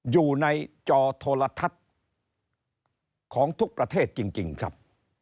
อยู่ในจอโทรทัศน์ของทุกประเทศจริงครับ